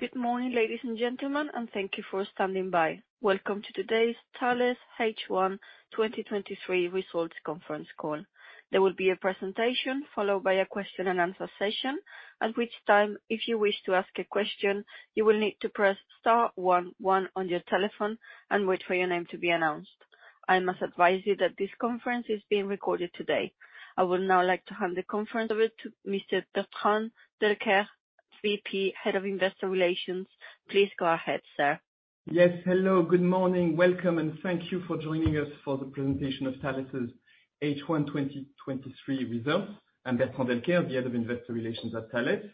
Good morning, ladies and gentlemen, and thank you for standing by. Welcome to today's Thales H1 2023 Results Conference Call. There will be a presentation followed by a question-and-answer session, at which time, if you wish to ask a question, you will need to press star one one on your telephone and wait for your name to be announced. I must advise you that this conference is being recorded today. I would now like to hand the conference over to Mr. Bertrand Delacourt, VP, Head of Investor Relations. Please go ahead, sir. Yes, hello, good morning. Welcome, and thank you for joining us for the presentation of Thales' H1 2023 results. I'm Bertrand Delacourt, the Head of Investor Relations at Thales.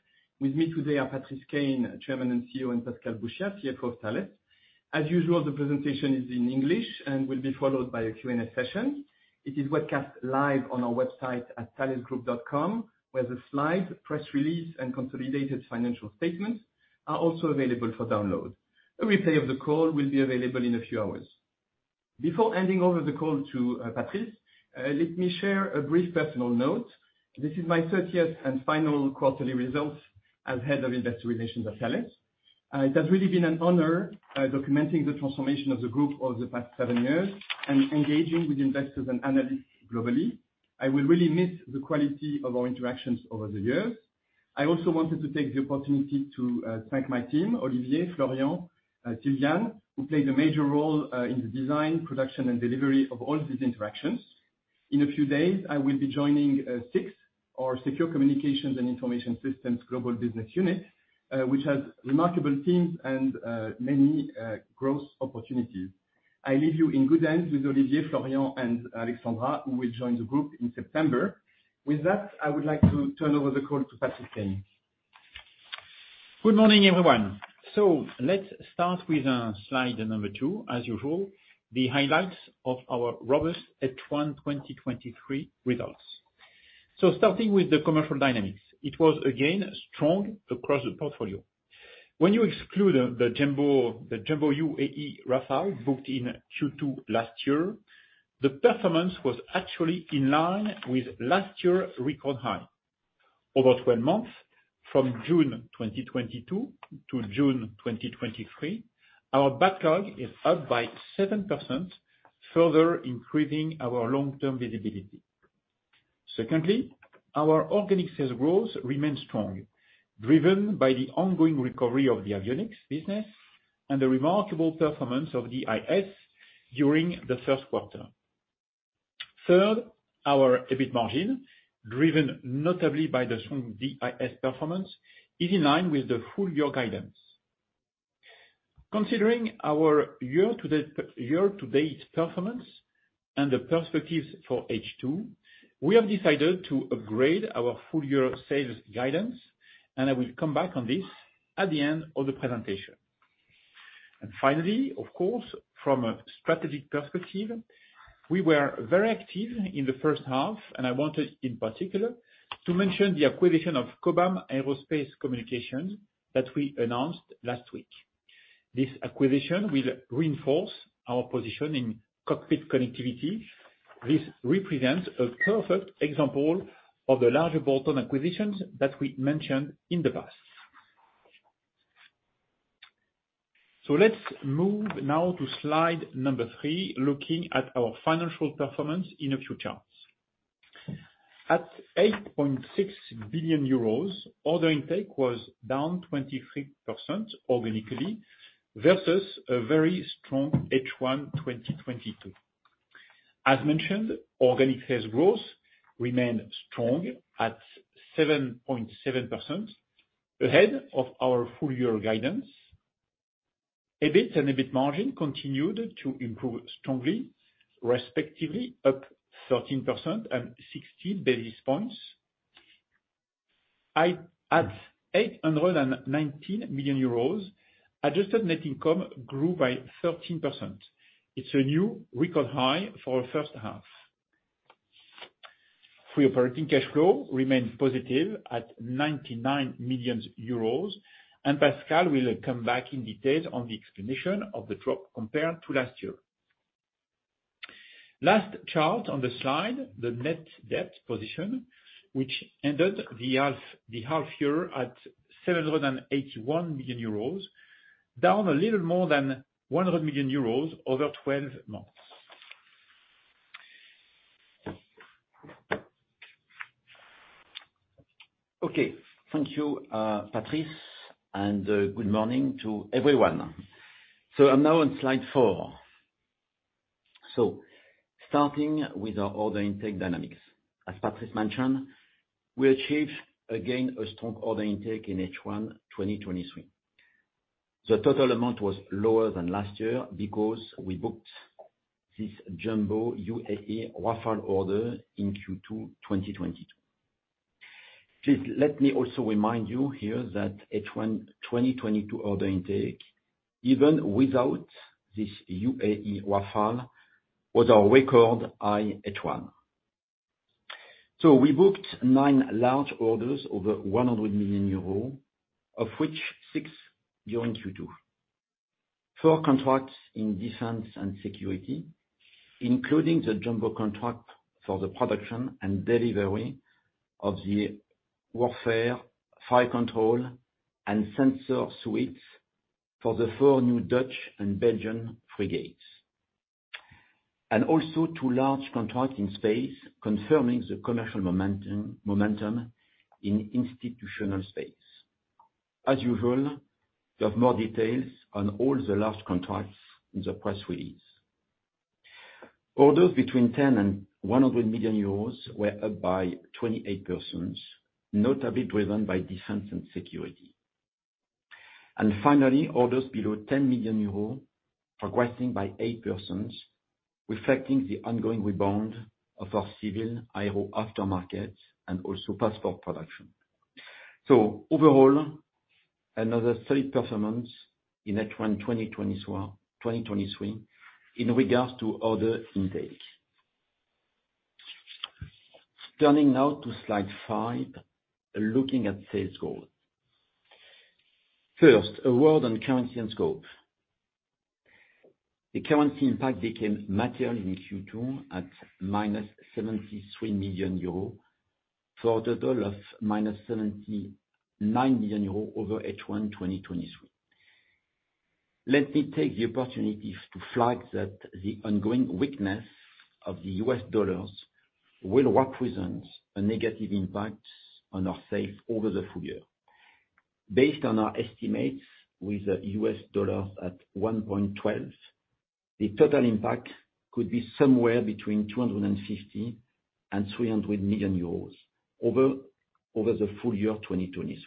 With me today are Patrice Caine, Chairman and CEO, and Pascal Bouchiat, CFO of Thales. As usual, the presentation is in English and will be followed by a Q&A session. It is webcast live on our website at thalesgroup.com, where the slides, press release, and consolidated financial statements are also available for download. A replay of the call will be available in a few hours. Before handing over the call to Patrice, let me share a brief personal note. This is my thirtieth and final quarterly results as Head of Investor Relations at Thales. It has really been an honor documenting the transformation of the group over the past seven years and engaging with investors and analysts globally. I will really miss the quality of our interactions over the years. I also wanted to take the opportunity to thank my team, Olivier, Florian, Sylvain, who played a major role in the design, production, and delivery of all these interactions. In a few days, I will be joining SIX, our Secure Communications and Information Systems Global Business Unit, which has remarkable teams and many growth opportunities. I leave you in good hands with Olivier, Florian, and Alexandra, who will join the group in September. With that, I would like to turn over the call to Patrice Caine. Good morning, everyone. Let's start with Slide 2, as usual, the highlights of our robust H1 2023 results. Starting with the commercial dynamics, it was again strong across the portfolio. When you exclude the jumbo UAE Rafale booked in Q2 last year, the performance was actually in line with last year's record high. Over 12 months, from June 2022 to June 2023, our backlog is up by 7%, further increasing our long-term visibility. Secondly, our organic sales growth remains strong, driven by the ongoing recovery of the avionics business and the remarkable performance of DIS during the 1st quarter. Third, our EBIT margin, driven notably by the strong DIS performance, is in line with the full-year guidance. Considering our year-to-date performance and the perspectives for H2, we have decided to upgrade our full-year sales guidance, I will come back on this at the end of the presentation. Finally, of course, from a strategic perspective, we were very active in the H1, and I wanted, in particular, to mention the acquisition of Cobham Aerospace Communications that we announced last week. This acquisition will reinforce our position in cockpit connectivity. This represents a perfect example of the larger bolt-on acquisitions that we mentioned in the past. Let's move now to Slide 3, looking at our financial performance in a few charts. At 8.6 billion euros, order intake was down 23% organically, versus a very strong H1 2022. As mentioned, organic sales growth remained strong at 7.7%, ahead of our full-year guidance. EBIT and EBIT margin continued to improve strongly, respectively, up 13% and 60 basis points. At 819 million euros, adjusted net income grew by 13%. It's a new record high for our H1. Free operating cash flow remained positive at 99 million euros, Pascal will come back in detail on the explanation of the drop compared to last year. Last chart on the slide, the net debt position, which ended the half year at 781 million euros, down a little more than 100 million euros over 12 months. Okay. Thank you, Patrice, and good morning to everyone. I'm now on Slide 4. Starting with our order intake dynamics, as Patrice mentioned, we achieved again, a strong order intake in H1 2023. The total amount was lower than last year because we booked this jumbo UAE Rafale order in Q2 2022. Please let me also remind you here that H1 2022 order intake, even without this UAE Rafale, was our record high H1. We booked nine large orders over 100 million euros, of which six during Q2.... four contracts in Defence & Security, including the jumbo contract for the production and delivery of the warfare, fire-control, and sensor suites for the four new Dutch and Belgian frigates. Also two large contract in space, confirming the commercial momentum in institutional space. As usual, you have more details on all the large contracts in the press release. Orders between 10 and 100 million euros were up by 28%, notably driven by Defence & Security. Finally, orders below 10 million euros progressing by 8%, reflecting the ongoing rebound of our civil aero aftermarket and also passport production. Overall, another solid performance in H1, 2021-2023, in regards to order intake. Turning now to Slide 5, looking at sales growth. First, a word on currency and scope. The currency impact became material in Q2 at minus 73 million euro, for a total of minus 79 million euro over H1, 2023. Let me take the opportunity to flag that the ongoing weakness of the U.S. dollar will represent a negative impact on our sales over the full-year. Based on our estimates, with the U.S. dollar at 1.12, the total impact could be somewhere between 250 million and 300 million euros over the full- year 2023.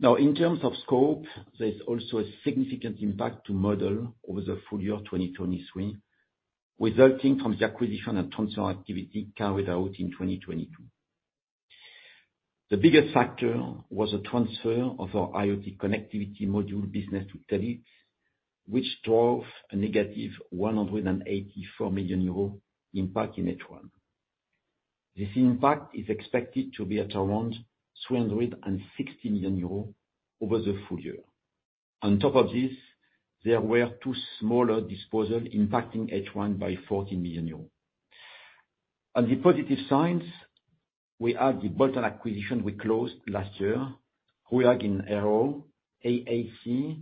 Now, in terms of scope, there's also a significant impact to model over the full-year 2023, resulting from the acquisition and transfer activity carried out in 2022. The biggest factor was a transfer of our IoT connectivity module business to Telit, which drove a negative 184 million euro impact in H1. This impact is expected to be at around 360 million euro over the full-year. On top of this, there were two smaller disposal impacting H1 by 14 million euros. On the positive sides, we had the Bolton acquisition we closed last year, RUAG in Aero, AAC,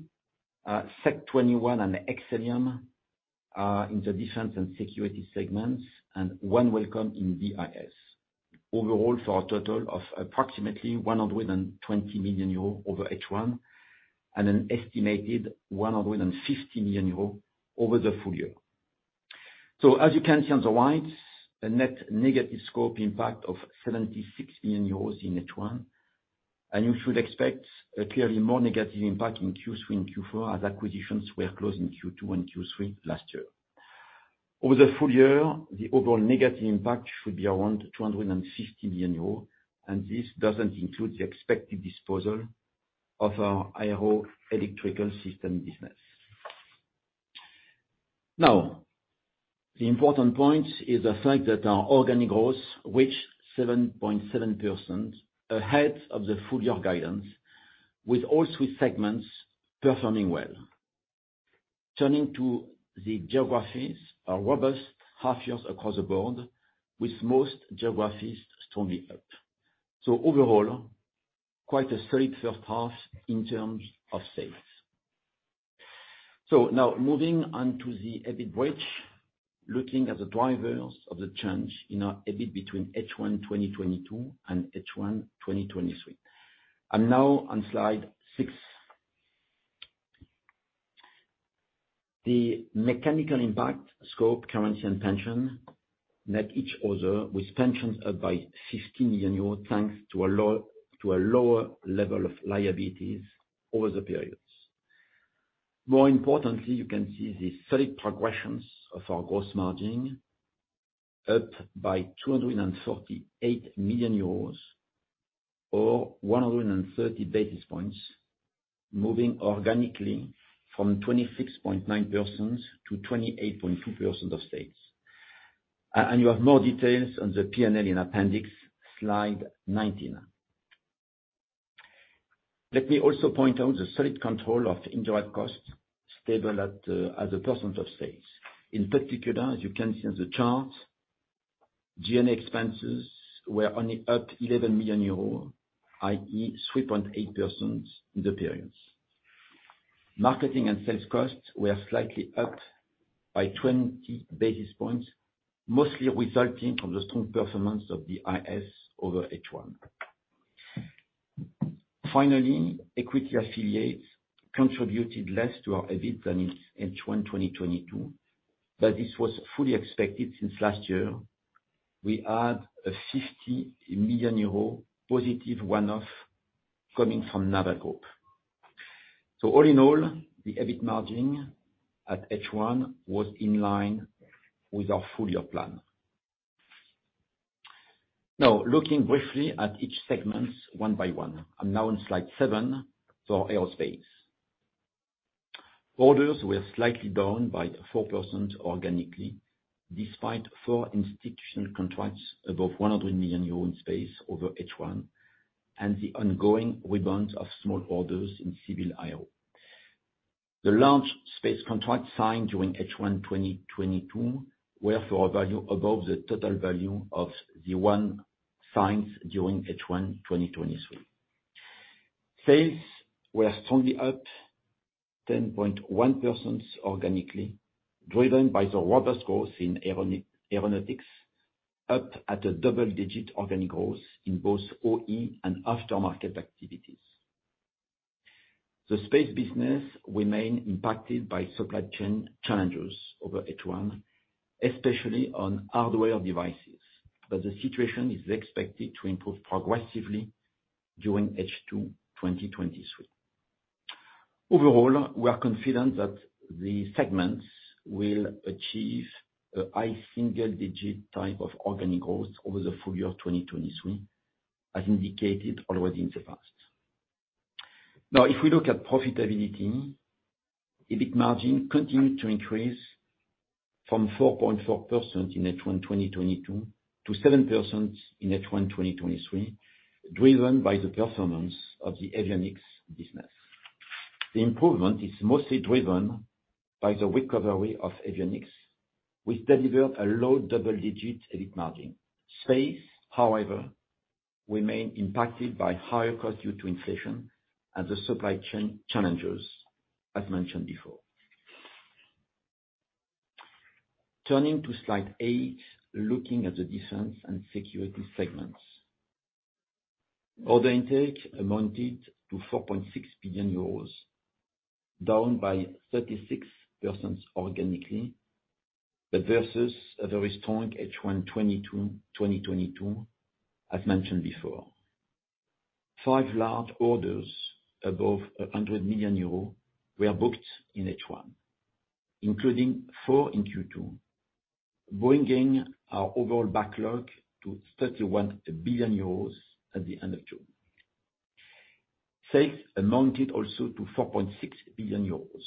S21sec and Excellium in the defense and security segments, and OneWelcome in DIS. Overall, for a total of approximately 120 million euros over H1, and an estimated 150 million euros over the full-year. As you can see on the right, a net negative scope impact of 76 million euros in H1, and you should expect a clearly more negative impact in Q3 and Q4, as acquisitions were closed in Q2 and Q3 last year. Over the full-year, the overall negative impact should be around 250 million euros, This doesn't include the expected disposal of our aero electrical system business. The important point is the fact that our organic growth reached 7.7%, ahead of the full-year guidance, with all three segments performing well. Turning to the geographies, a robust half year across the board, with most geographies strongly up. Overall, quite a solid H1 in terms of sales. Moving on to the EBIT bridge, looking at the drivers of the change in our EBIT between H1 2022 and H1 2023. I'm now on Slide 6. The mechanical impact, scope, currency, and pension, net each other with pensions up by 15 million euros, thanks to a lower level of liabilities over the periods. More importantly, you can see the solid progressions of our gross margin, up by 248 million euros, or 130 basis points, moving organically from 26.9% to 28.2% of sales. You have more details on the P&L in appendix Slide 19. Let me also point out the solid control of indirect costs, stable at as a percentage of sales. In particular, as you can see on the chart, G&A expenses were only up 11 million euros, i.e., 3.8% in the periods. Marketing and sales costs were slightly up by 20 basis points, mostly resulting from the strong performance of the IS over H1. Finally, equity affiliates contributed less to our EBIT than in H1, 2022, but this was fully expected since last year. We had a 50 million euro positive one-off coming from Naval Group. All in all, the EBIT margin at H1 was in line with our full-year plan. Looking briefly at each segment one by one. I'm now on Slide 7 for aerospace. Orders were slightly down by 4% organically, despite four institutional contracts above 100 million euros in space over H1. The ongoing rebound of small orders in civil IoT. The large space contract signed during H1 2022 were for a value above the total value of the one signed during H1 2023. Sales were strongly up 10.1% organically, driven by the robust growth in aeronautics, up at a double-digit organic growth in both OE and aftermarket activities. The space business remain impacted by supply chain challenges over H1, especially on hardware devices, but the situation is expected to improve progressively during H2 2023. Overall, we are confident that the segments will achieve a high single-digit type of organic growth over the full-year of 2023, as indicated already in the past. If we look at profitability, EBIT margin continued to increase from 4.4% in H1 2022 to 7% in H1 2023, driven by the performance of the avionics business. The improvement is mostly driven by the recovery of avionics, which delivered a low double-digit EBIT margin. Space, however, remain impacted by higher cost due to inflation and the supply chain challenges, as mentioned before. Turning to slide 8, looking at the Defence & Security segments. Order intake amounted to 4.6 billion euros, down by 36% organically, versus a very strong H1 2022, as mentioned before. Five large orders above 100 million euros were booked in H1, including four in Q2, bringing our overall backlog to 31 billion euros at the end of June. Sales amounted also to 4.6 billion euros,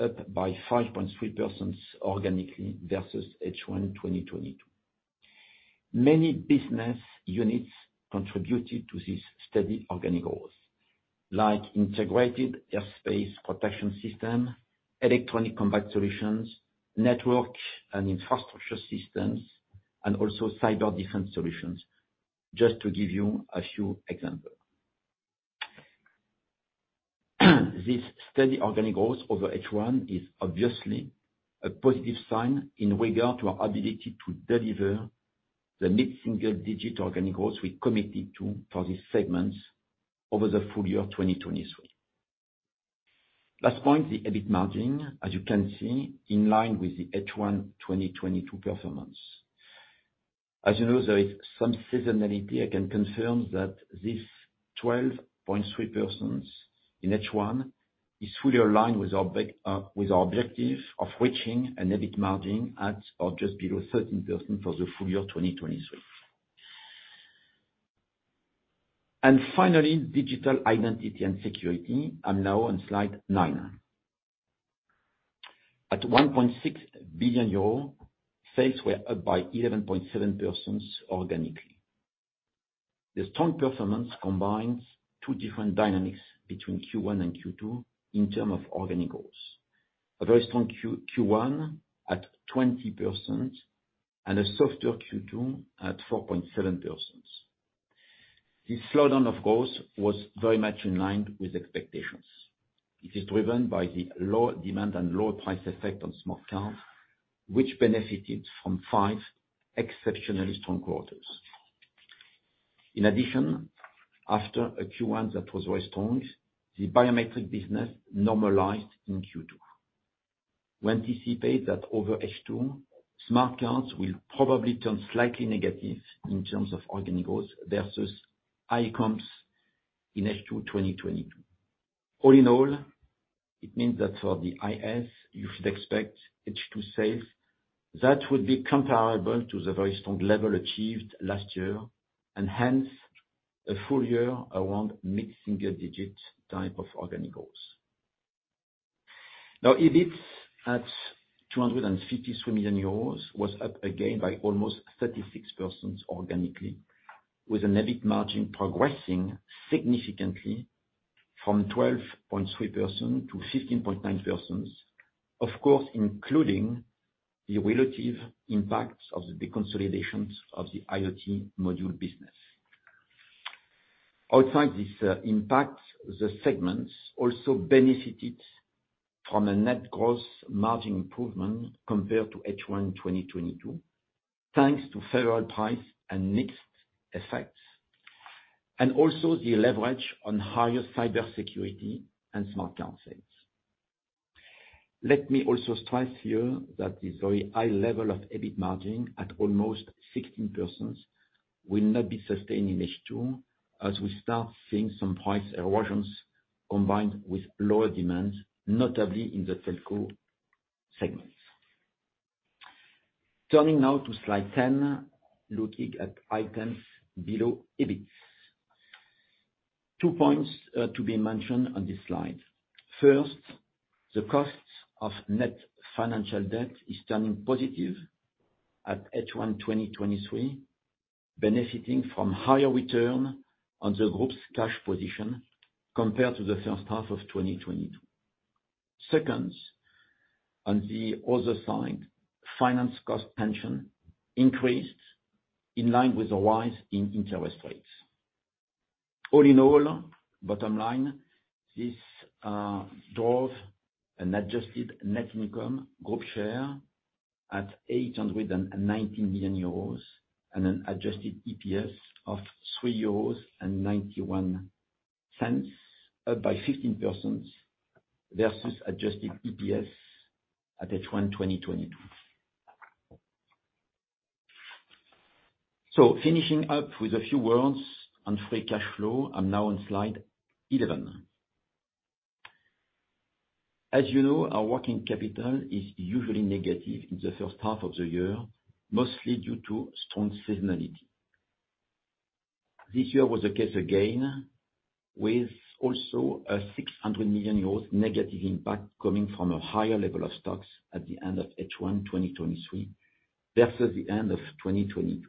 up by 5.3% organically versus H1 2022. Many business units contributed to this steady organic growth, like Integrated Airspace Protection Systems, electronic combat solutions, network and infrastructure systems, and also cyber defense solutions, just to give you a few example. This steady organic growth over H1 is obviously a positive sign in regard to our ability to deliver the mid-single digit organic growth we committed to for this segment over the full-year of 2023. Last point, the EBIT margin, as you can see, in line with the H1 2022 performance. As you know, there is some seasonality. I can confirm that this 12.3% in H1 is fully aligned with our big, with our objective of reaching an EBIT margin at or just below 13% for the full-year 2023. Finally, Digital Identity & Security, and now on slide 9. At 1.6 billion euros, sales were up by 11.7% organically. The strong performance combines two different dynamics between Q1 and Q2 in term of organic growth. A very strong Q1 at 20%, a softer Q2 at 4.7%. This slowdown of growth was very much in line with expectations. After a Q1 that was very strong, the biometric business normalized in Q2. We anticipate that over H2, smart cards will probably turn slightly negative in terms of organic growth versus high comps in H2 2022. It means that for the DIS, you should expect H2 sales that would be comparable to the very strong level achieved last year, and hence, a full-year around mid-single digit type of organic growth. EBIT at 253 million euros was up again by almost 36% organically, with an EBIT margin progressing significantly from 12.3% to 15.9%. Of course, including the relative impacts of the deconsolidations of the IoT module business. Outside this impact, the segments also benefited from a net gross margin improvement compared to H1 2022, thanks to favorable price and mix effects, and also the leverage on higher cybersecurity and smart count sales. Let me also stress here that the very high level of EBIT margin at almost 16% will not be sustained in H2, as we start seeing some price erosions combined with lower demand, notably in the telco segments. Turning now to Slide 10, looking at items below EBIT. there are two key points to be mentioned on this slide. First, the cost of net financial debt is turning positive at H1 2023, benefiting from higher return on the group's cash position compared to the H1 of 2022. Second, on the other side, finance cost pension increased in line with the rise in interest rates. All in all, bottom line, this drove an adjusted net income group share at 890 million euros, and an adjusted EPS of 3.91 euros, up by 15% versus adjusted EPS at H1 2022. Finishing up with a few words on free cash flow, I'm now on Slide 11. As you know, our working capital is usually negative in the H1 of the year, mostly due to strong seasonality. This year was the case again, with also a 600 million euros negative impact coming from a higher level of stocks at the end of H1 2023, versus the end of 2022.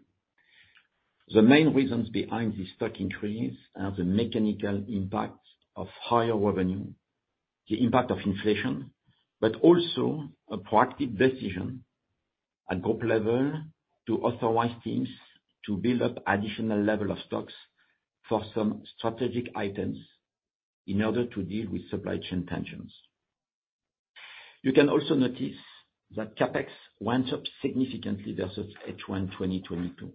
The main reasons behind this stock increase are the mechanical impact of higher revenue, the impact of inflation, but also a proactive decision at group level to authorize teams to build up additional level of stocks for some strategic items in order to deal with supply chain tensions. You can also notice that CapEx went up significantly versus H1 2022,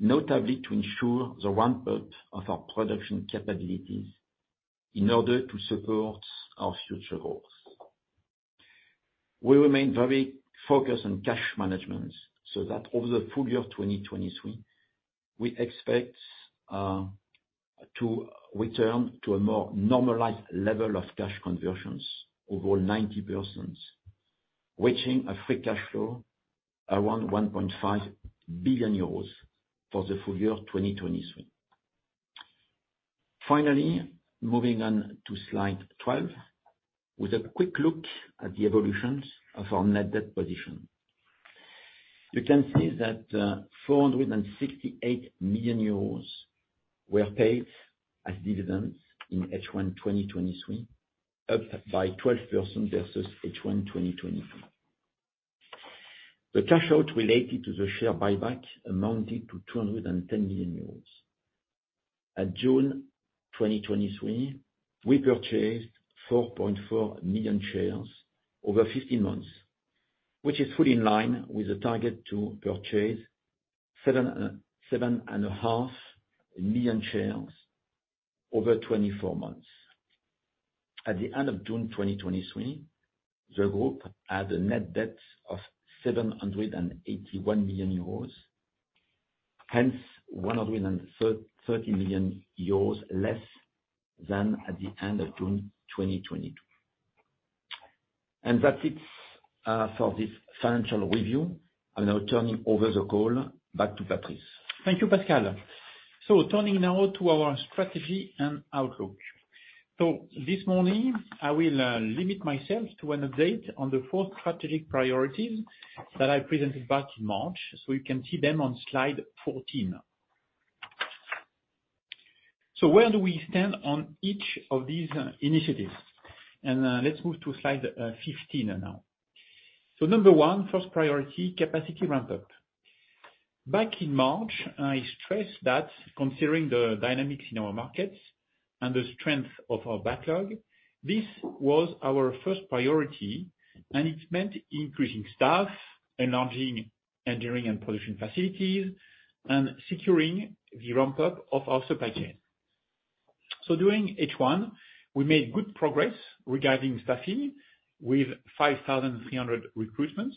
notably to ensure the ramp-up of our production capabilities in order to support our future goals. We remain very focused on cash management, so that over the full-year of 2023, we expect to return to a more normalized level of cash conversions, over 90%, reaching a free cash flow around 1.5 billion euros for the full-year of 2023. Finally, moving on to Slide 12, with a quick look at the evolutions of our net debt position. You can see that, 468 million euros were paid as dividends in H1 2023, up by 12% versus H1 2022. The cash out related to the share buyback amounted to 210 million euros. At June 2023, we purchased 4.4 million shares over 15 months, which is fully in line with the target to purchase 7.5 million shares over 24 months. At the end of June 2023, the group had a net debt of 781 million euros, hence 130 million euros less than at the end of June 2022. That's it for this financial review. I'm now turning over the call back to Patrice. Thank you, Pascal. Turning now to our strategy and outlook. This morning, I will limit myself to an update on the four strategic priorities that I presented back in March, so you can see them on Slide 14. Where do we stand on each of these initiatives? Let's move to Slide 15 now. Number one, first priority, capacity ramp-up. Back in March, I stressed that considering the dynamics in our markets and the strength of our backlog, this was our first priority, and it meant increasing staff, enlarging engineering and production facilities, and securing the ramp-up of our supply chain. During H1, we made good progress regarding staffing, with 5,300 recruitments.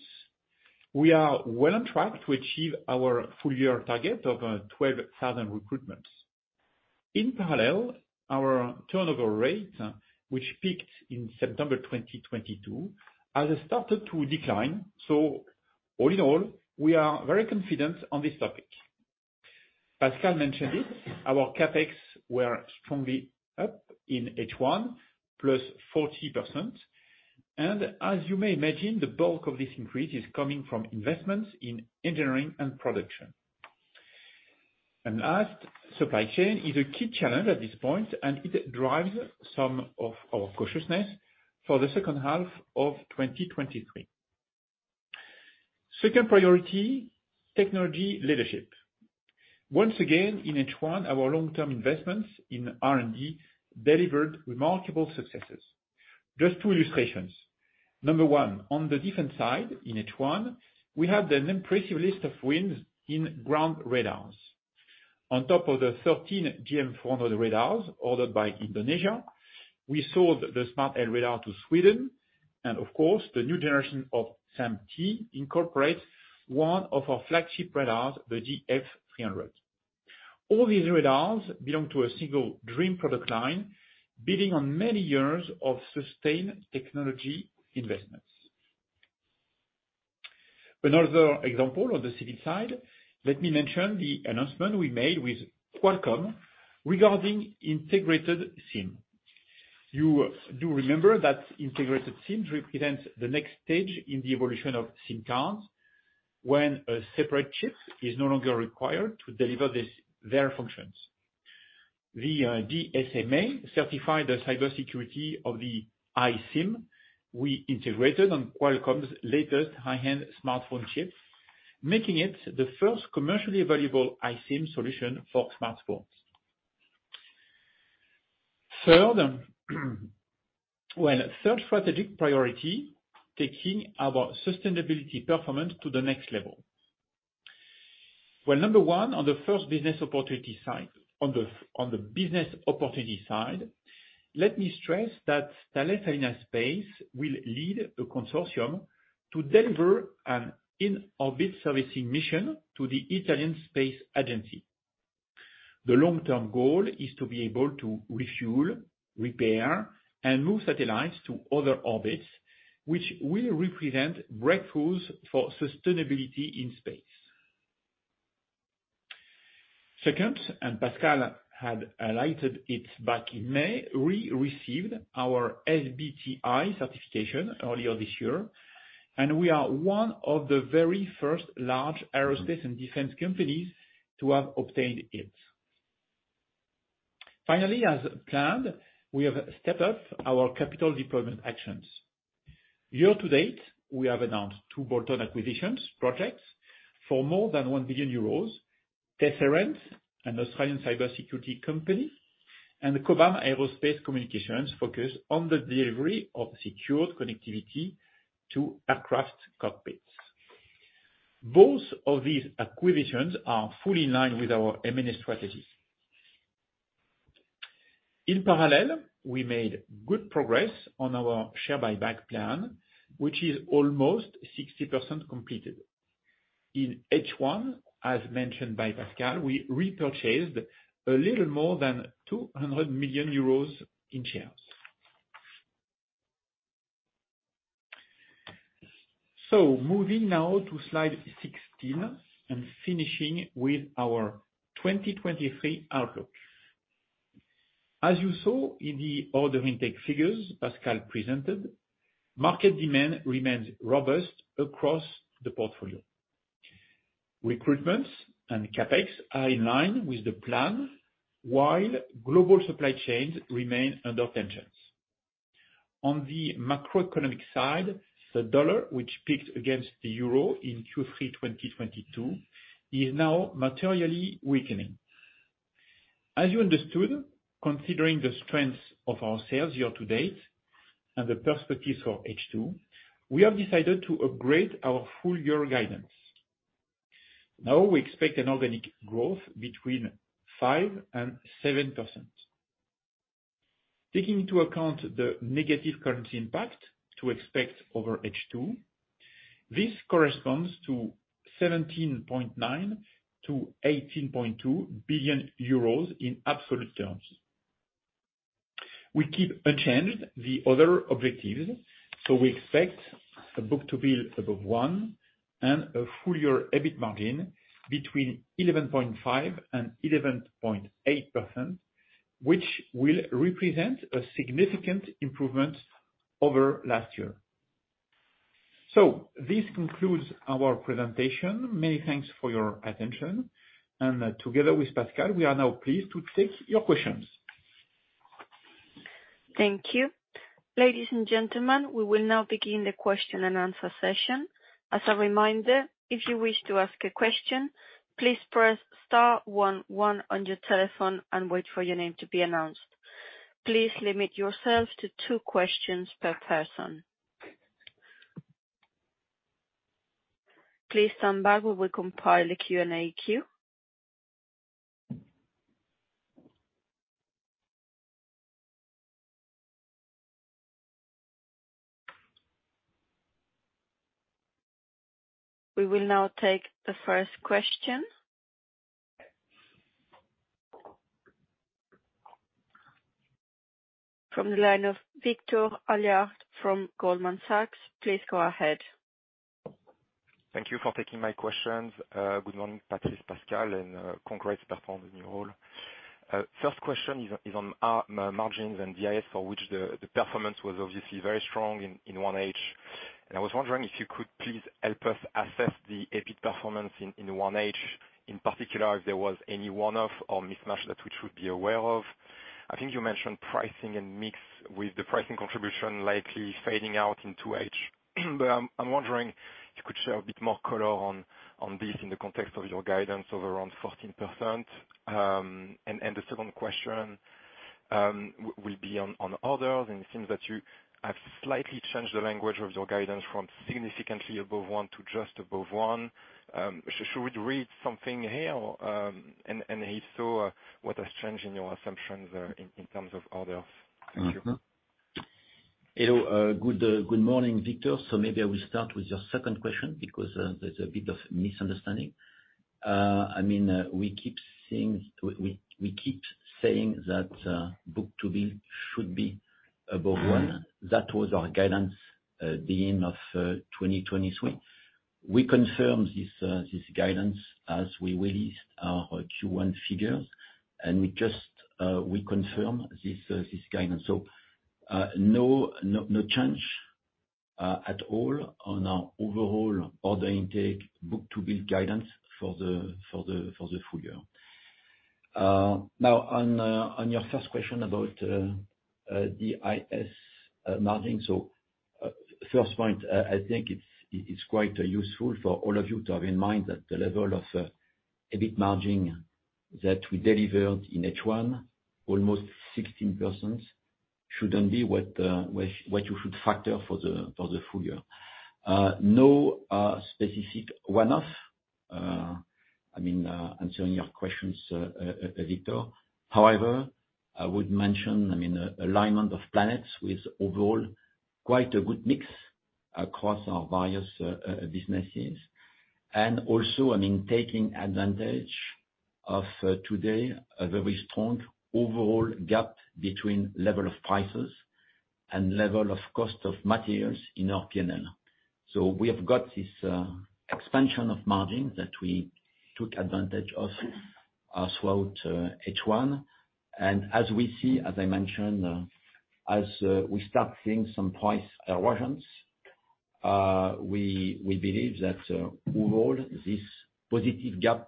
We are well on track to achieve our full-year target of 12,000 recruitments. In parallel, our turnover rate, which peaked in September 2022, has started to decline. All in all, we are very confident on this topic. Pascal mentioned it, our CapEx were strongly up in H1, up 40%, and as you may imagine, the bulk of this increase is coming from investments in engineering and production. Last, supply chain is a key challenge at this point, and it drives some of our cautiousness for the H2 of 2023. Second priority, technology leadership. Once again, in H1, our long-term investments in R&D delivered remarkable successes. Just two illustrations: number one, on the different side, in H1, we have an impressive list of wins in ground radars. On top of the 13 GM400 radars ordered by Indonesia, we sold the SMART-L radar to Sweden, and of course, the new generation of SAMP/T incorporates one of our flagship radars, the GF300. All these radars belong to a single dream product line, bidding on many years of sustained technology investments. Another example on the civil side, let me mention the announcement we made with Qualcomm regarding integrated SIM. You do remember that integrated SIMs represent the next stage in the evolution of SIM cards, when a separate chip is no longer required to deliver this, their functions. The GSMA certified the cybersecurity of the iSIM we integrated on Qualcomm's latest high-end smartphone chip, making it the first commercially available iSIM solution for smartphones. Third, well, third strategic priority, taking our sustainability performance to the next level. Well, number one, on the first business opportunity side, on the business opportunity side, let me stress that Thales Alenia Space will lead a consortium to deliver an in-orbit servicing mission to the Italian Space Agency. The long-term goal is to be able to refuel, repair, and move satellites to other orbits, which will represent breakthroughs for sustainability in space. Second, Pascal had highlighted it back in May, we received our SBTI certification earlier this year, and we are one of the very first large aerospace and defense companies to have obtained it. Finally, as planned, we have stepped up our capital deployment actions. Year to date, we have announced two Bolton acquisitions projects for more than 1 billion euros: Tesserent, an Australian cybersecurity company, and Cobham Aerospace Communications, focused on the delivery of secured connectivity to aircraft cockpits. Both of these acquisitions are fully in line with our M&A strategy. In parallel, we made good progress on our share buyback plan, which is almost 60% completed. In H1, as mentioned by Pascal, we repurchased a little more than 200 million euros in shares. Moving now to slide 16, and finishing with our 2023 outlook. As you saw in the order intake figures Pascal presented, market demand remains robust across the portfolio. Recruitments and CapEx are in line with the plan, while global supply chains remain under tensions. On the macroeconomic side, the dollar, which peaked against the euro in Q3 2022, is now materially weakening. As you understood, considering the strengths of our sales year to date and the perspectives for H2, we have decided to upgrade our full-year guidance. Now, we expect an organic growth between 5% and 7%. Taking into account the negative currency impact to expect over H2, this corresponds to 17.9 billion to 18.2 billion euros in absolute terms. We keep unchanged the other objectives, we expect the book-to-bill above one, and a full-year EBIT margin between 11.5% and 11.8%, which will represent a significant improvement over last year. This concludes our presentation. Many thanks for your attention, and together with Pascal, we are now pleased to take your questions. Thank you. Ladies and gentlemen, we will now begin the question-and-answer session. As a reminder, if you wish to ask a question, please press star one one on your telephone and wait for your name to be announced. Please limit yourselves to two questions per person. Please stand by while we compile a Q&A queue. We will now take the first question. From the line of Victor Allard from Goldman Sachs, please go ahead. Thank you for taking my questions. Good morning, Patrice, Pascal, and congrats, Bertrand, on the new role. First question is on margins and DIS, for which the performance was obviously very strong in H1. I was wondering if you could please help us assess the EBIT performance in H1, in particular, if there was any one-off or mismatch that we should be aware of. I think you mentioned pricing and mix with the pricing contribution likely fading out in H2. I'm wondering if you could share a bit more color on this in the context of your guidance of around 14%. The second question will be on others, and it seems that you have slightly changed the language of your guidance from significantly above one to just above one. Should we read something here? If so, what has changed in your assumptions, in terms of others? Thank you. Hello, good morning, Victor. Maybe I will start with your second question because there's a bit of misunderstanding. I mean, we keep seeing, we keep saying that book-to-bill should be above one. That was our guidance at the end of 2023. We confirm this guidance as we released our Q1 figures, and we just, we confirm this guidance. No change at all on our overall order intake book-to-bill guidance for the full-year. Now, on your first question about the DIS margin. First point, I think it's quite useful for all of you to have in mind that the level of EBIT margin that we delivered in H1, almost 16%, shouldn't be what you should factor for the full-year. No, specific one-off, I mean, answering your questions, Victor. However, I would mention, I mean, alignment of planets with overall quite a good mix across our various businesses. Also, I mean, taking advantage of today, a very strong overall gap between level of prices and level of cost of materials in our P&L. We have got this expansion of margin that we took advantage of throughout H1. As we see, as I mentioned, as we start seeing some price erosions, we believe that overall, this positive gap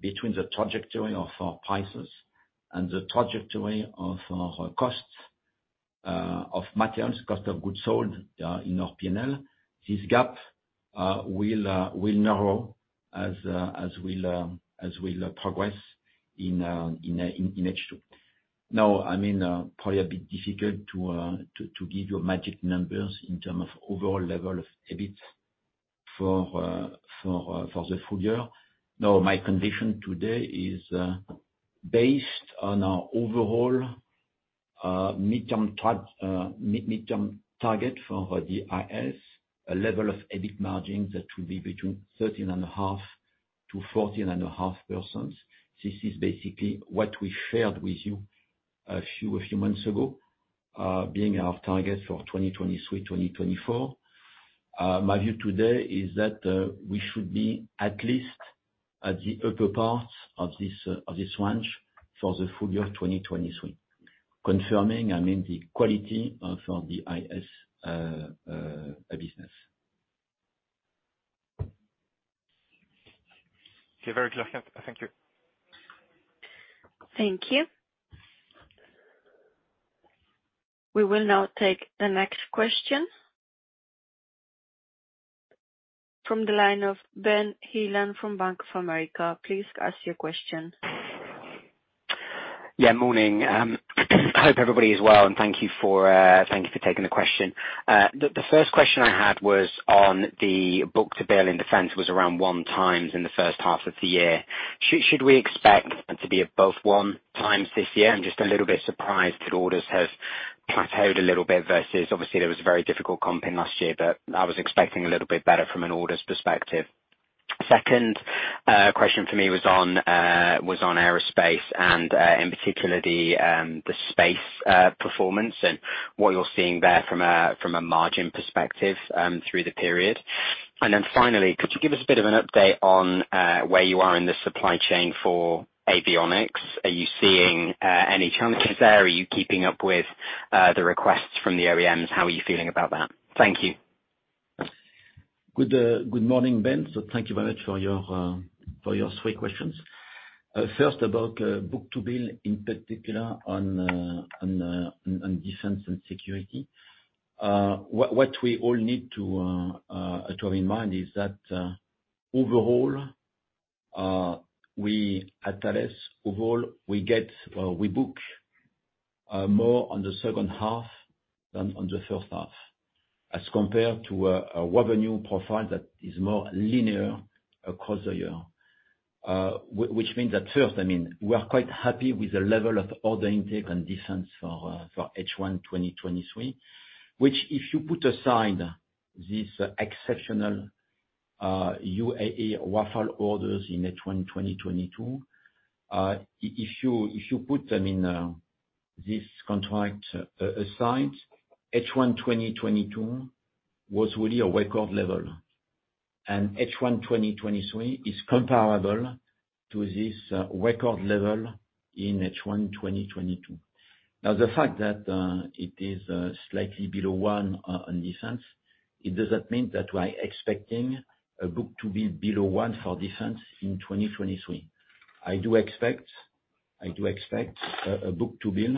between the trajectory of our prices and the trajectory of our costs, of materials, cost of goods sold, in our P&L, this gap will narrow as we'll progress in H2. I mean, probably a bit difficult to give you magic numbers in terms of overall level of EBIT for the full-year. My condition today is based on our overall mid-term target for our DIS, a level of EBIT margin that will be between 13.5% to 14.5%.This is basically what we shared with you a few months ago, being our target for 2023, 2024. My view today is that we should be at least at the upper part of this of this range for the full-year of 2023. Confirming, I mean, the quality of our DIS business. Okay, very clear, thank you. Thank you. We will now take the next question. From the line of Ben Heelan from Bank of America, please ask your question. Yeah, morning. Hope everybody is well, thank you for taking the question. The first question I had was on the book-to-bill in Defence was around 1.0x in the H1 of the year. Should we expect to be above 1.0x this year? I'm just a little bit surprised that orders have plateaued a little bit versus obviously there was a very difficult comparison in last year. I was expecting a little bit better from an orders perspective. Second, question for me was on aerospace and in particular, the space performance, and what you're seeing there from a margin perspective through the period. Finally, could you give us a bit of an update on where you are in the supply chain for avionics? Are you seeing any challenges there? Are you keeping up with the requests from the OEMs? How are you feeling about that? Thank you. Good, good morning, Ben. Thank you very much for your three questions. First about, book-to-bill, in particular on defense and security. What we all need to have in mind is that, overall, we, at Thales, we book more on the second half than on the H1, as compared to a revenue profile that is more linear across the year. Which means that first, I mean, we are quite happy with the level of order intake and defense for H1 2023, which if you put aside this exceptional UAE Rafale orders in H1 2022, if you put them in this contract aside, H1 2022 was really a record level, and H1 2023 is comparable to this record level in H1 2022. The fact that it is slightly below one on defense, it does not mean that we are expecting a book-to-bill below one for Defence in 2023. I do expect a book-to-bill,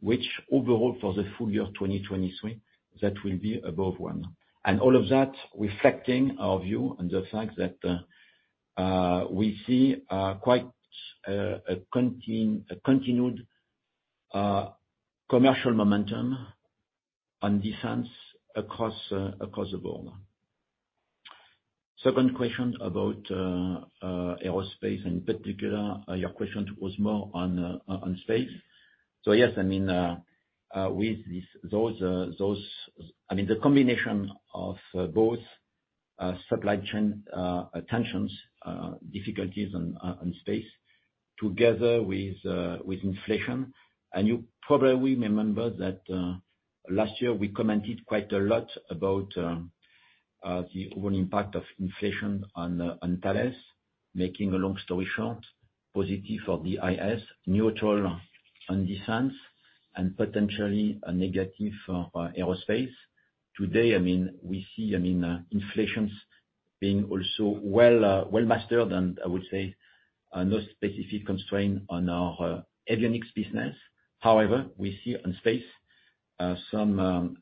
which overall for the full-year of 2023, that will be above one. All of that reflecting our view on the fact that we see quite a continued commercial momentum on defense across across the board. Second question about aerospace, in particular, your question was more on space. Yes, I mean, with this, those, I mean, the combination of both supply chain tensions, difficulties on space, together with inflation. You probably remember that last year, we commented quite a lot about the overall impact of inflation on Thales. Making a long story short, positive for the DIS, neutral on defense, and potentially a negative on aerospace. Today, we see inflation being also well mastered, and I would say, no specific constraint on our avionics business. However, we see on space, some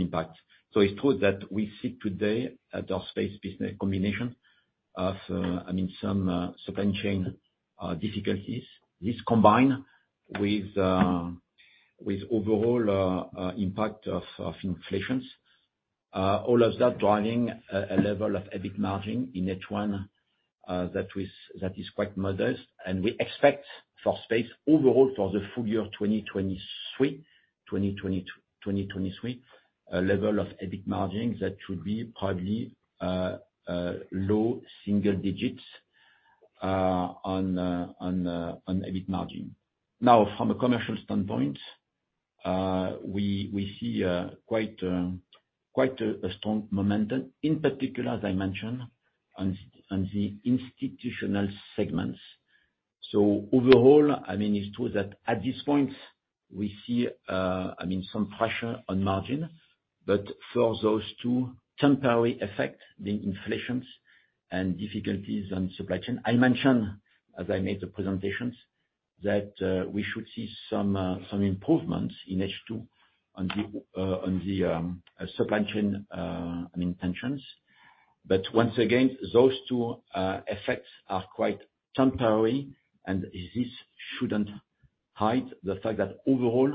impact. It's true that we see today, at our space business, combination of some supply chain difficulties. This combine with overall impact of inflation, all of that driving a level of EBIT margin in H1 that is quite modest. We expect for space overall for the full-year of 2023, a level of EBIT margin that should be probably low single digits on EBIT margin. Now, from a commercial standpoint, we see quite a strong momentum, in particular, as I mentioned, on the institutional segments. Overall, I mean, it's true that at this point, we see, I mean, some pressure on margin, but for those two temporary effects, the inflation and difficulties on supply chain, I mentioned, as I made the presentation, that we should see some improvements in H2 on the supply chain, I mean, tensions. Once again, those two effects are quite temporary, and this shouldn't hide the fact that overall,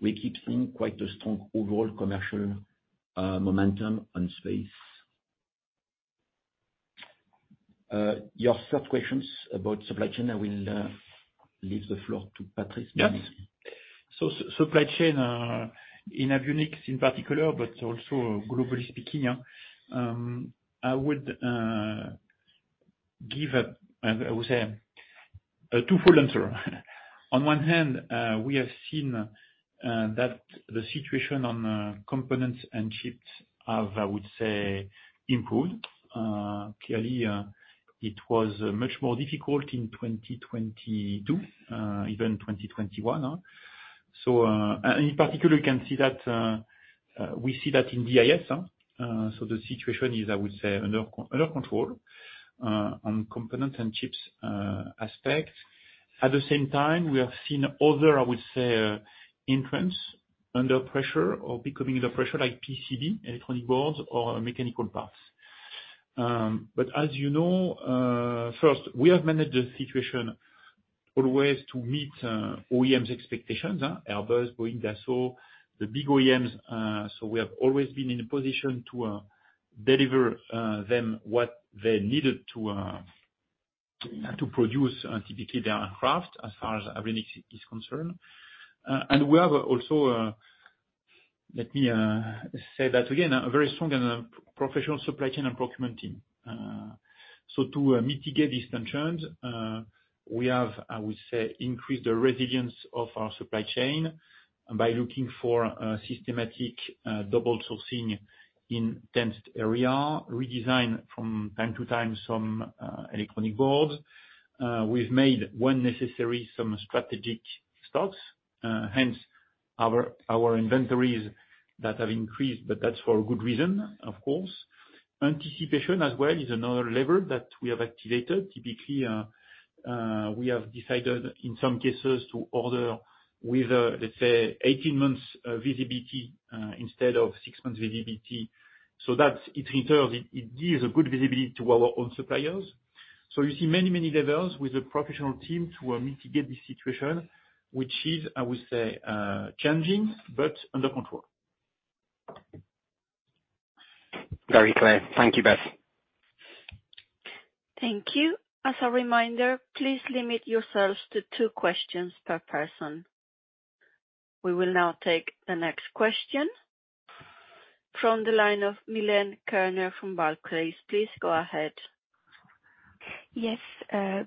we keep seeing quite a strong overall commercial momentum on space. Your third question about supply chain, I will leave the floor to Patrice. Yeah. Supply chain in avionics in particular, but also globally speaking, I would say a twofold answer. On one hand, we have seen that the situation on components and chips have, I would say, improved. Clearly, it was much more difficult in 2022, even 2021. And in particular, you can see that we see that in AIS. The situation is, I would say, under control on component and chips aspect. At the same time, we have seen other, I would say, entrance under pressure or becoming under pressure, like PCB, electronic boards or mechanical parts. As you know, first, we have managed the situation always to meet OEMs expectations. Airbus, Boeing, Dassault, the big OEMs. We have always been in a position to deliver them what they needed to produce, typically their aircraft, as far as avionics is concerned. We have also, let me say that again, a very strong and professional supply chain and procurement team. To mitigate these tensions, we have, I would say, increased the resilience of our supply chain by looking for systematic double sourcing in tense area, redesign from time to time, some electronic boards. We've made, when necessary, some strategic stocks, hence our inventories that have increased, but that's for a good reason, of course. Anticipation as well is another lever that we have activated. Typically, we have decided, in some cases, to order with, let's say 18 months visibility instead of six months visibility. That's, in turn, it gives a good visibility to our own suppliers. You see many, many levels with the professional team to mitigate the situation, which is, I would say, challenging, but under control. Very clear. Thank you, Beth. Thank you. As a reminder, please limit yourselves to two questions per person. We will now take the next question from the line of Milene Kerner from Barclays. Please go ahead. Yes,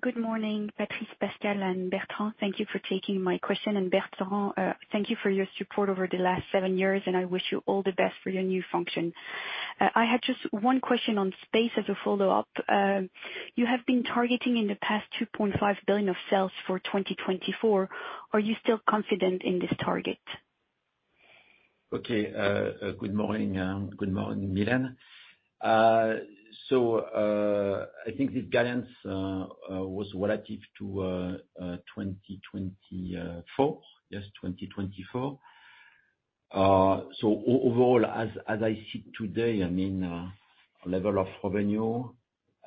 good morning, Patrice, Pascal, and Bertrand. Thank you for taking my question. Bertrand, thank you for your support over the last seven years, and I wish you all the best for your new function. I had just one question on space as a follow-up. You have been targeting in the past 2.5 billion of sales for 2024. Are you still confident in this target? Okay, good morning, Milene. I think this guidance was relative to 2024. Yes, 2024. Overall, as I see it today, I mean, level of revenue,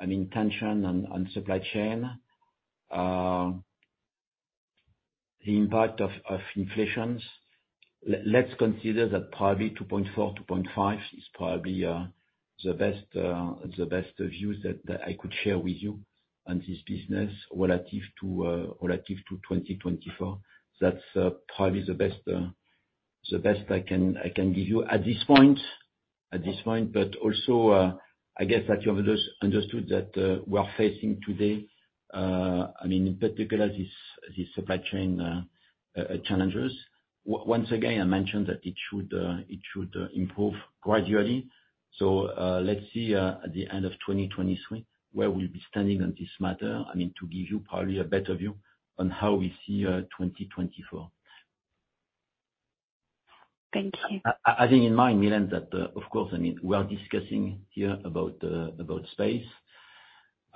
I mean, tension and supply chain, the impact of inflation, let's consider that probably 2.4 to 2.5, is probably the best views that I could share with you on this business relative to 2024. That's probably the best I can give you at this point. Also, I guess that you have just understood that we are facing today, I mean, in particular, this supply chain challenges. Once again, I mentioned that it should improve gradually. Let's see at the end of 2023, where we'll be standing on this matter, I mean, to give you probably a better view on how we see 2024. Thank you. I think in mind, Milene, that, of course, I mean, we are discussing here about space.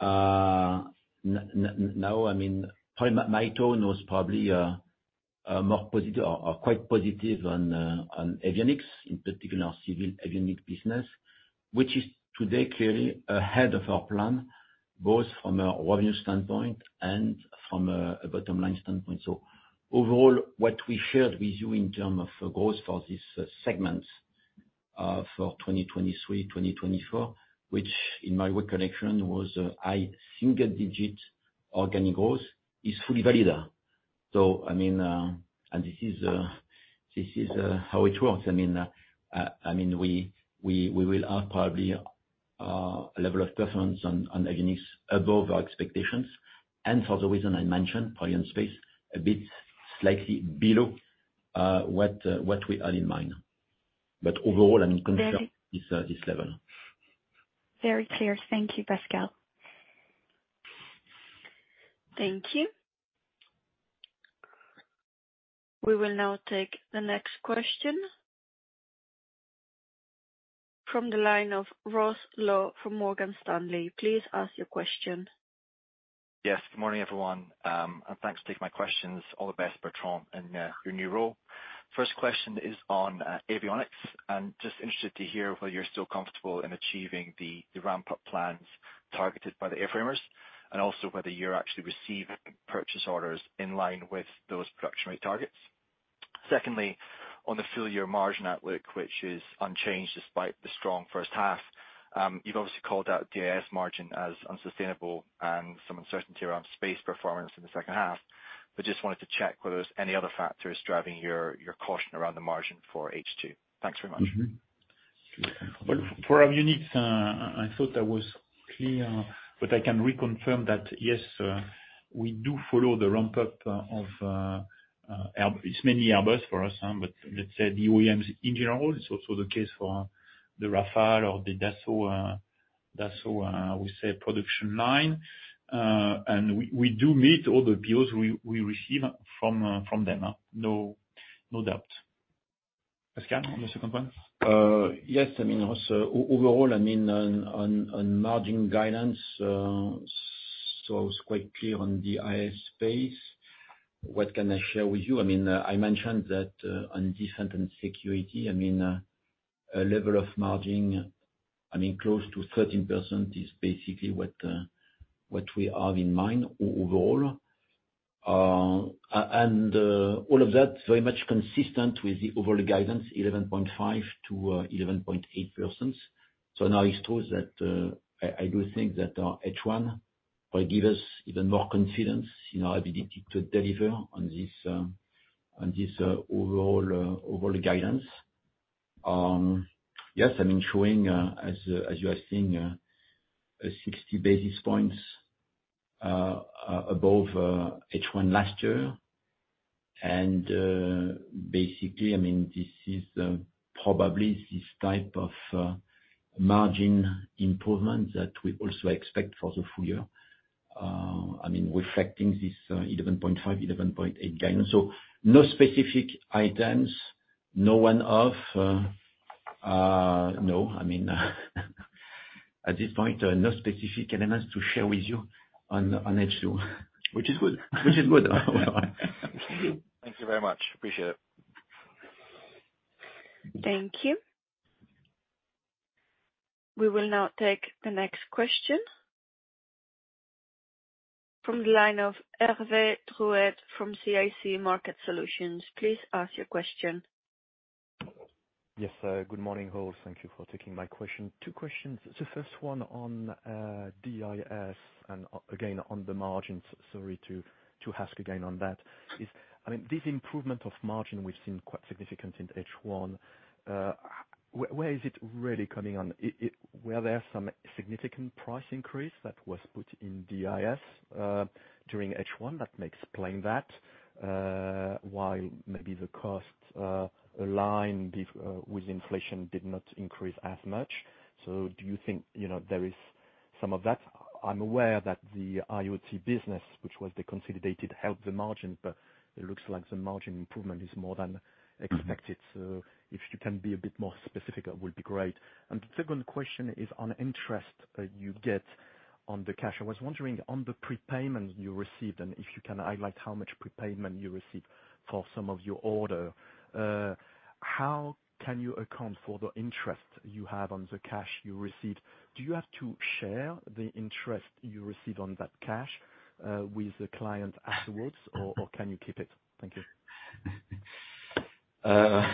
Now, I mean, probably my tone was probably more positive or quite positive on avionics, in particular, civil avionics business. Which is today, clearly ahead of our plan, both from a revenue standpoint and from a bottom line standpoint. Overall, what we shared with you in term of growth for this segment, for 2023 -2024, which in my recollection, was a high single-digit organic growth, is fully valid. I mean, and this is, this is how it works. I mean, we will have probably a level of performance on avionics above our expectations, and for the reason I mentioned, probably on space, a bit slightly below what we had in mind. Overall, I mean. Very- This level. Very clear. Thank you, Pascal. Thank you. We will now take the next question. From the line of Ross Law from Morgan Stanley, please ask your question. Yes, good morning, everyone. Thanks for taking my questions. All the best, Bertrand, in your new role. First question is on avionics, and just interested to hear whether you're still comfortable in achieving the ramp-up plans targeted by the airframers, and also whether you're actually receiving purchase orders in line with those production rate targets. Secondly, on the full-year margin outlook, which is unchanged despite the strong H1, you've obviously called out the IS margin as unsustainable and some uncertainty around space performance in the second half. Just wanted to check whether there was any other factors driving your caution around the margin for H2. Thanks very much. Well, for avionics, I thought I was clear, but I can reconfirm that, yes, we do follow the ramp-up of it's mainly Airbus for us, but let's say, the OEMs in general. It's also the case for the Rafale or the Dassault production line. We do meet all the POs we receive from them, no doubt. Pascal, on the second one? Yes. I mean, also, overall, I mean, on, on margin guidance, I was quite clear on the DIS space. What can I share with you? I mean, I mentioned that on defense and security, I mean, a level of margin, I mean, close to 13% is basically what we have in mind overall. All of that, very much consistent with the overall guidance, 11.5%-11.8%. Now it's true that I do think that H1 will give us even more confidence in our ability to deliver on this, on this overall overall guidance. Yes, I mean, showing, as you are seeing, 60 basis points above H1 last year. Basically, I mean, this is probably this type of margin improvement that we also expect for the full-year. I mean, reflecting this 11.5%-11.8% guidance. No specific items, no one-off, no, I mean, at this point, no specific elements to share with you on H2.Which is good. Which is good. Thank you very much. Appreciate it. Thank you. We will now take the next question. From the line of Hervé Drouet from CIC Market Solutions, please ask your question. Yes, good morning, all. Thank you for taking my question. two questions. The first one on DIS, and again, on the margins. Sorry to ask again on that. I mean, this improvement of margin we've seen quite significant in H1, where is it really coming on? Were there some significant price increase that was put in DIS during H1, that may explain that? While maybe the cost, aligned with inflation, did not increase as much. Do you think, you know, there is some of that? I'm aware that the IoT business, which was the consolidated, helped the margin, but it looks like the margin improvement is more than expected. Mm-hmm. If you can be a bit more specific, that would be great. The second question is on interest that you get on the cash. I was wondering, on the prepayment you received, and if you can highlight how much prepayment you received for some of your order, how can you account for the interest you have on the cash you received? Do you have to share the interest you receive on that cash with the client afterwards, or can you keep it? Thank you. Thank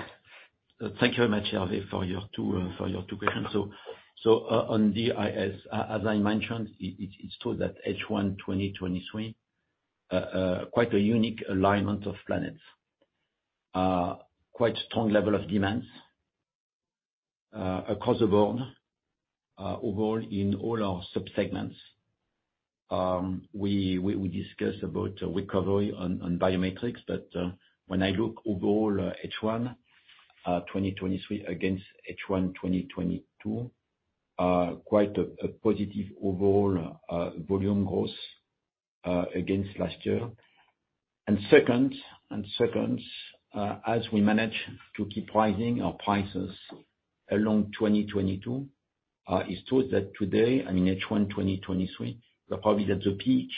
you very much, Hervé, for your two questions. On the IS, as I mentioned, it's true that H1 2023, quite a unique alignment of planets. Quite strong level of demands across the board overall in all our sub-segments. We discussed about recovery on biometrics, when I look overall, H1 2023 against H1 2022, quite a positive overall volume growth against last year. Second, as we manage to keep raising our prices along 2022, it's true that today, I mean, H1 2023, we're probably at the peak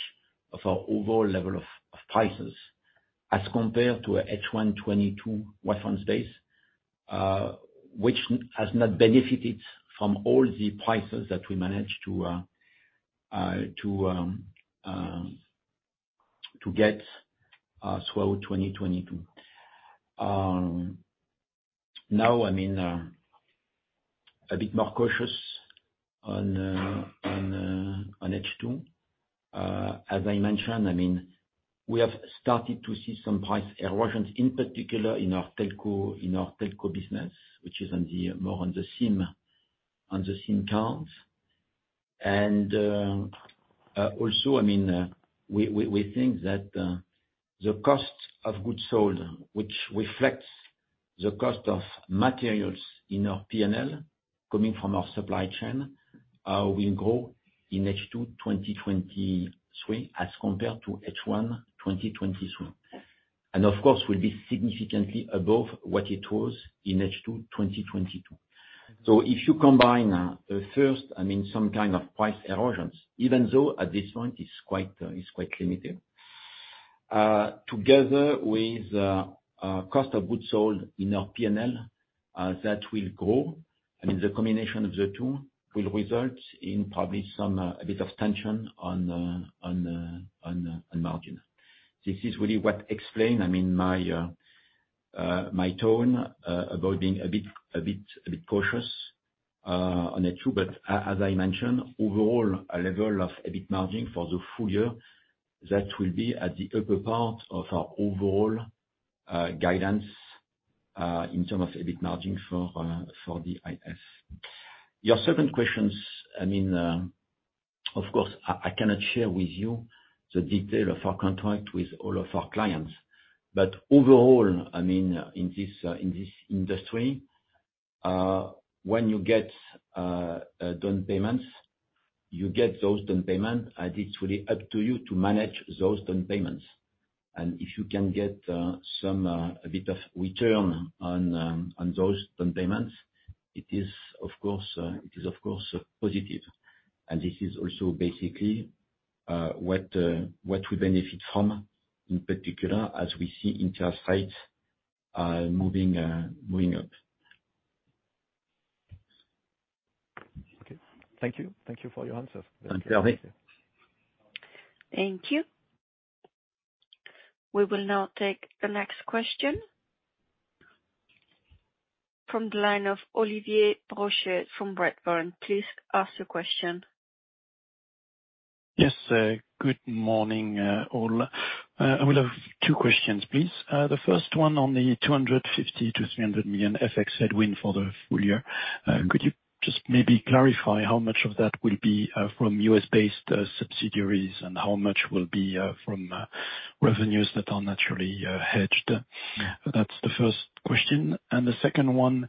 of our overall level of prices, as compared to a H1 2022 baseline base, which has not benefited from all the prices that we managed to get throughout 2022. Now, I mean, a bit more cautious on H2. As I mentioned, I mean, we have started to see some price erosions, in particular in our telco business, which is more on the SIM, on the SIM cards. Also, I mean, we think that the cost of goods sold, which reflects the cost of materials in our P&L, coming from our supply chain, will grow in H2 2023, as compared to H1 2022. Of course, will be significantly above what it was in H2 2022. If you combine first, I mean, some kind of price erosions, even though at this point, it's quite, it's quite limited, together with cost of goods sold in our P&L, that will grow. The combination of the two will result in probably some a bit of tension on margin. This is really what explain my tone about being a bit cautious on H2. As I mentioned, overall, our level of EBIT margin for the full-year, that will be at the upper part of our overall guidance, in terms of EBIT margin for the IS. Your second questions, I mean, of course, I cannot share with you the detail of our contract with all of our clients, but overall, I mean, in this industry, when you get down payments, you get those down payments, and it's really up to you to manage those down payments. If you can get some a bit of return on those down payments, it is, of course, it is, of course, positive. This is also basically what we benefit from, in particular, as we see interest rates moving up. Okay. Thank you. Thank you for your answers. Thanks, Hervé. Thank you. We will now take the next question. From the line of Olivier Brochet from Redburn. Please, ask your question. Yes, good morning, all. I will have two questions, please. The first one on the 250 million to 300 million FX headwind for the full-year. Could you just maybe clarify how much of that will be from U.S.-based subsidiaries, and how much will be from revenues that are naturally hedged? That's the first question. The second one,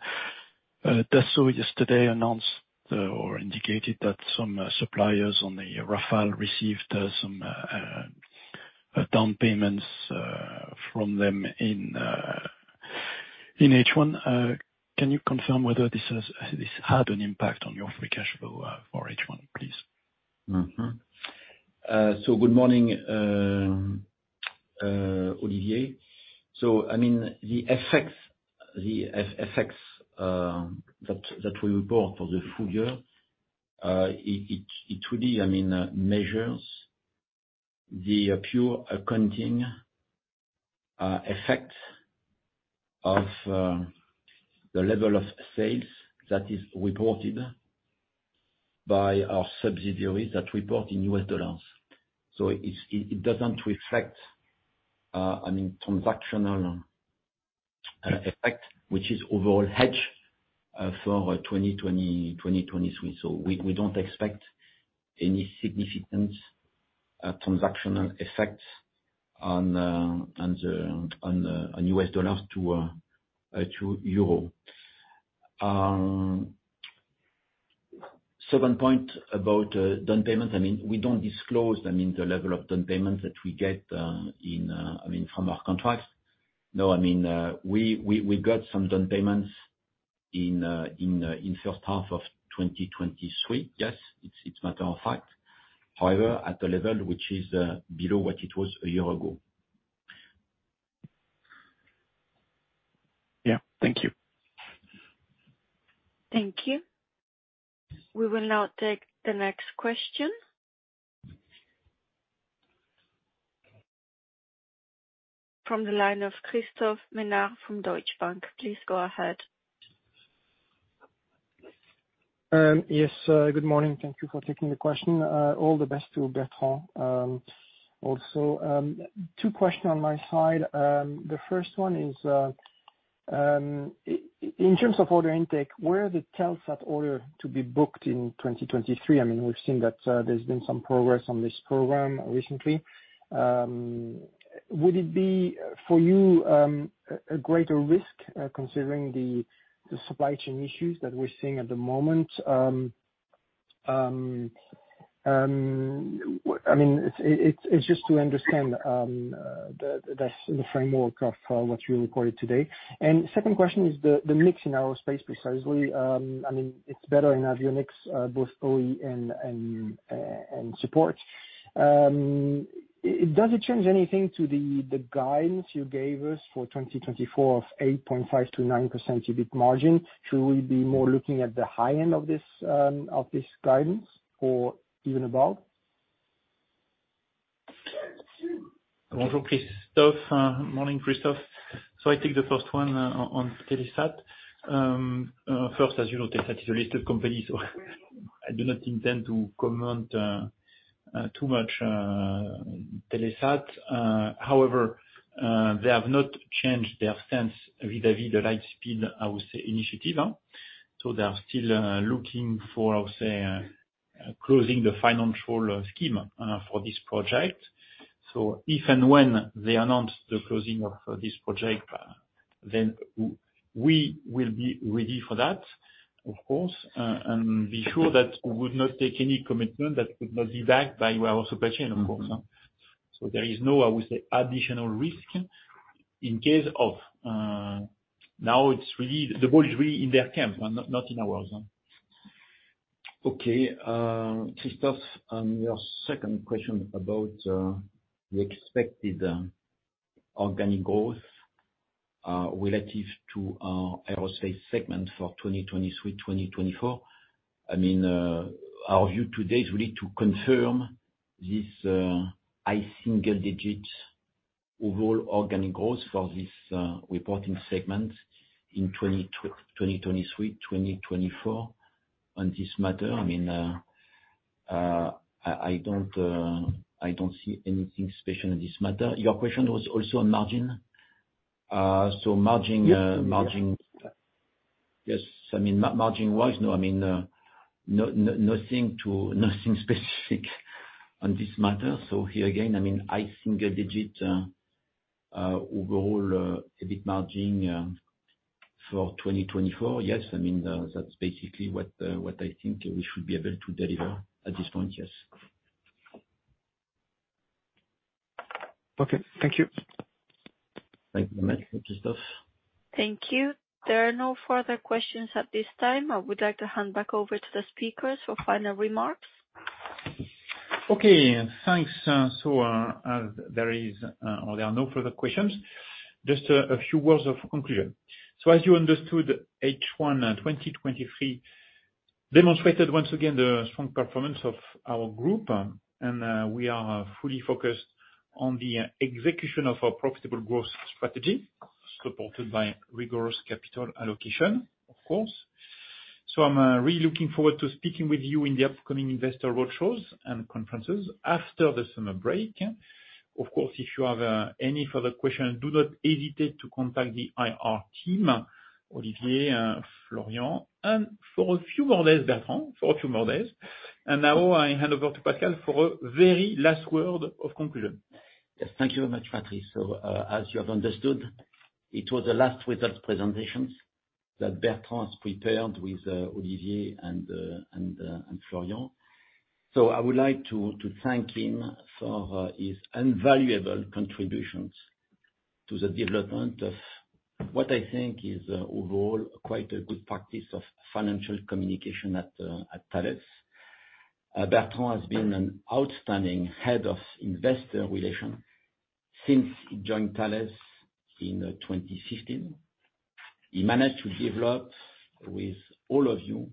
Dassault yesterday announced or indicated that some suppliers on the Rafale received some down payments from them in H1. Can you confirm whether this had an impact on your free cash flow for H1, please? Good morning, Olivier. I mean, the FX that we report for the full-year, it really, I mean, measures the pure accounting effect of the level of sales that is reported by our subsidiaries that report in U.S. dollars. It doesn't reflect, I mean, transactional effect, which is overall hedged for 2023. We don't expect any significant transactional effects on the U.S. dollars to EUR. Second point about down payment, I mean, we don't disclose, I mean, the level of down payments that we get in, I mean, from our contracts.No, I mean, we got some down payments in H1 of 2023. Yes, it's a matter of fact. However, at the level, which is below what it was a year ago. Yeah. Thank you. Thank you. We will now take the next question. From the line of Christophe Menard from Deutsche Bank, please go ahead. Yes, good morning. Thank you for taking the question. All the best to Bertrand also. Two questions on my side. The first one is in terms of order intake, where the Telesat order to be booked in 2023? I mean, we've seen that there's been some progress on this program recently. Would it be, for you, a greater risk, considering the supply chain issues that we're seeing at the moment? I mean, it's just to understand the framework of what you reported today. Second question is the mix in aerospace precisely. I mean, it's better in avionics, both OE and support. Does it change anything to the guidance you gave us for 2024 of 8.5% and 9% EBIT margin? Should we be more looking at the high end of this guidance, or even above? Bonjour, Christophe. Morning, Christophe. I take the first one on Telesat. First, as you know, Telesat is a listed company so I do not intend to comment too much Telesat. However, they have not changed their stance vis-a-vis the Lightspeed, I would say, initiative. They are still looking for closing the financial scheme for this project. If and when they announce the closing of this project, then we will be ready for that, of course. Be sure that we would not take any commitment that would not be backed by our supply chain, of course. There is no, I would say, additional risk in case of. Now, it's really, the ball is really in their camp and not in ours. Okay, Christophe, on your second question about the expected organic growth relative to our aerospace segment for 2023-2024. I mean, our view today is really to confirm this high single digit overall organic growth for this reporting segment in 2023-2024. On this matter, I mean, I don't see anything special in this matter. Your question was also on margin? margin. Yes. Yes. I mean, margin was, no, I mean, no, nothing to, nothing specific on this matter. Here again, I mean, high single digit overall EBIT margin for 2024. Yes, I mean, that's basically what I think we should be able to deliver at this point, yes. Okay. Thank you. Thank you very much, Christophe. Thank you. There are no further questions at this time. I would like to hand back over to the speakers for final remarks. Okay, thanks. As there is, or there are no further questions, just a few words of conclusion. As you understood, H1 2023 demonstrated once again the strong performance of our group, and we are fully focused on the execution of our profitable growth strategy, supported by rigorous capital allocation, of course. I'm really looking forward to speaking with you in the upcoming investor roadshows and conferences after the summer break. Of course, if you have any further questions, do not hesitate to contact the IR team, Olivier, Florian, and for a few more days, Bertrand, for a few more days. Now I hand over to Pascal for a very last word of conclusion. Yes. Thank you very much, Patrice Caine. As you have understood, it was the last results presentations that Bertrand Delacourt has prepared with Olivier Brochet and Florian. I would like to thank him for his invaluable contributions to the development of what I think is overall, quite a good practice of financial communication at Thales. Bertrand Delacourt has been an outstanding Head of Investor Relations since he joined Thales in 2015. He managed to develop, with all of you,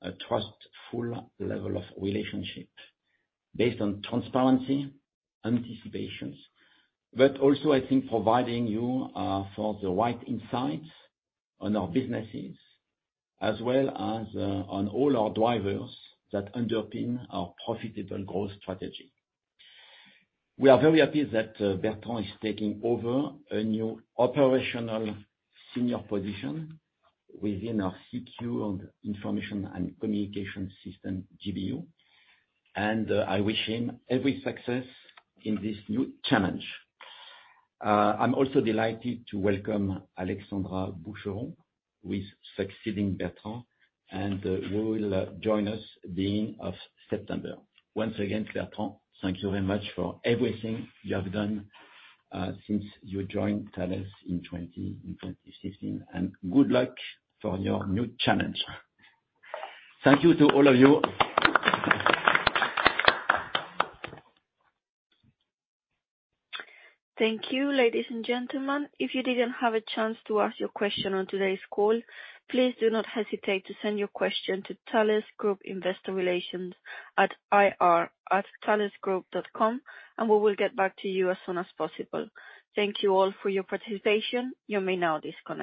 a trustful level of relationship based on transparency, anticipations, also, I think, providing you for the right insights on our businesses, as well as on all our drivers that underpin our profitable growth strategy. We are very happy that Bertrand is taking over a new operational senior position within our Secure Communications and Information Systems GBU, and I wish him every success in this new challenge. I'm also delighted to welcome Alexandra Boucheron, who is succeeding Bertrand, and who will join us beginning of September. Once again, Bertrand, thank you very much for everything you have done since you joined Thales in 2016, and good luck for your new challenge. Thank you to all of you. Thank you, ladies and gentlemen. If you didn't have a chance to ask your question on today's call, please do not hesitate to send your question to Thales Group Investor Relations at ir@thalesgroup.com. We will get back to you as soon as possible. Thank you all for your participation. You may now disconnect.